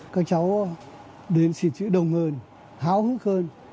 các cháu đến xin chữ đồng hồn